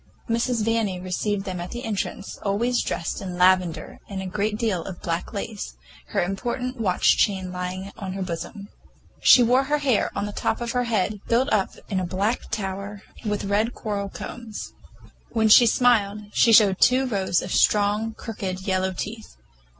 Mrs. Vanni received them at the entrance, always dressed in lavender with a great deal of black lace, her important watch chain lying on her bosom. She wore her hair on the top of her head, built up in a black tower, with red coral combs. When she smiled, she showed two rows of strong, crooked yellow teeth.